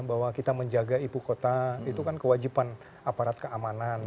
bahwa kita menjaga ibu kota itu kan kewajiban aparat keamanan